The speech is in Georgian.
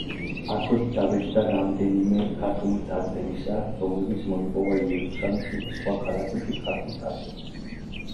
აქვე დაბეჭდა რამდენიმე ქართული წარწერისა რომლებიც მოიპოვა იერუსალიმში და სხვა ქალაქებში ქართულ ტაძრებზე.